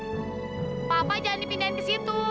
kek papa jangan dipindahin ke situ